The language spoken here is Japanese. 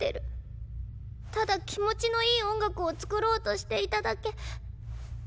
ただ気持ちのいい音楽を作ろうとしていただけ。